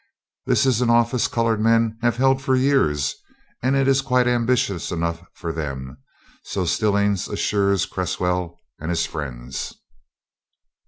This is an office colored men have held for years, and it is quite ambitious enough for them; so Stillings assures Cresswell and his friends."